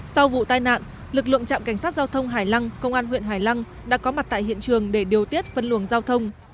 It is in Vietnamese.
sau vụ tai nạn lực lượng trạm cảnh sát giao thông hải lăng công an huyện hải lăng đã có mặt tại hiện trường để điều tiết phân luồng giao thông